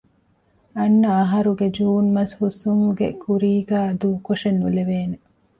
އަންނަ އަހަރުގެ ޖޫން މަސް ހުސްވުމުގެ ކުރީގައި ދޫކޮށެއް ނުލެވޭނެ